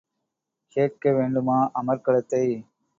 கேட்க வேண்டுமா அமர்க்களத்தை!